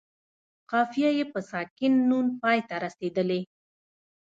قافیه یې په ساکن نون پای ته رسیدلې.